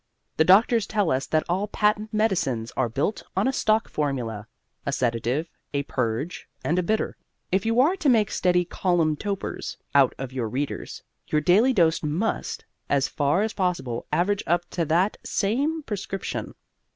The doctors tell us that all patent medicines are built on a stock formula a sedative, a purge, and a bitter. If you are to make steady column topers out of your readers, your daily dose must, as far as possible, average up to that same prescription.